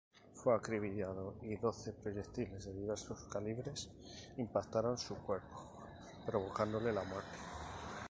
Fue acribillado y doce proyectiles de diversos calibres impactaron su cuerpo, provocándole la muerte.